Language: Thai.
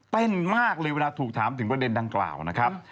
มากเลยเวลาถูกถามถึงประเด็นดังกล่าวนะครับ